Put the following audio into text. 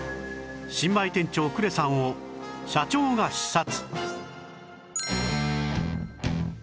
新米店長呉さんを社長が視察